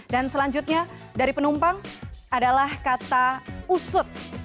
dan selanjutnya dari penumpang adalah kata usut